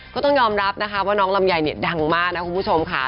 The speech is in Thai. ก็ต้องยอมรับนะคะว่าน้องลำไยเนี่ยดังมากนะคุณผู้ชมค่ะ